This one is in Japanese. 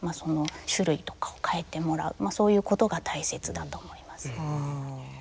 そういうことが大切だと思います。